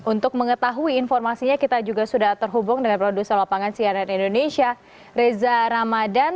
untuk mengetahui informasinya kita juga sudah terhubung dengan produser lapangan cnn indonesia reza ramadan